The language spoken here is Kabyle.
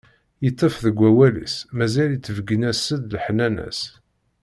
Iṭṭef deg wawal-is, mazal ittbeggin-as-d leḥnana-s.